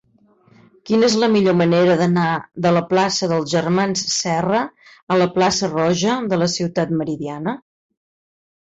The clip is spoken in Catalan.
Quina és la millor manera d'anar de la plaça dels Germans Serra a la plaça Roja de la Ciutat Meridiana?